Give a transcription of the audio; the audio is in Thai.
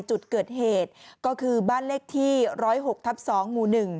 จุดเกิดเหตุก็คือบ้านเลขที่๑๐๖ทับ๒หมู่๑